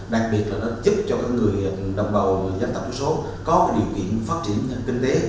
đặc biệt là nó giúp cho các người đồng bầu người dân tộc số có điều kiện phát triển kinh tế